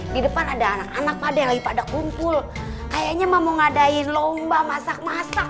di depan ada anak anak ada yang lagi pada kumpul kayaknya mau ngadain lomba masak masak